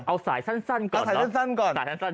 เอาสายสั้นก่อน